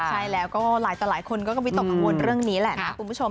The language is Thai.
ใช่แล้วก็หลายต่อหลายคนก็วิตกกังวลเรื่องนี้แหละนะคุณผู้ชม